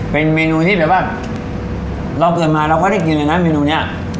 เป็นเมนูที่แบบว่าเราเกิดมาเราก็ได้กินเลยนะเมนูนี้